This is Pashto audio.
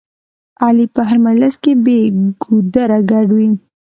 علي په هر مجلس کې بې ګودره ګډ وي.